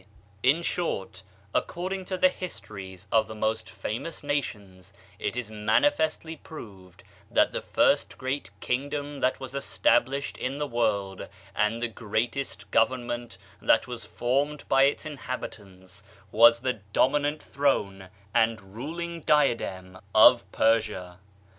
In short, according to the histories of the most famous nations, it is manifestly proved that the first great kingdom that was established in the world, and the greatest government that was formed by its inhabitants, was the dominant throne and ruling diadem of Persia.